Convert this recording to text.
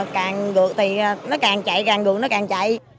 càng gược thì nó càng chạy càng gược nó càng chạy